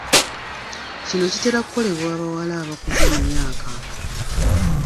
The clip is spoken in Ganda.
Kino kitera kukolebwa bawala abakuze mu myaka.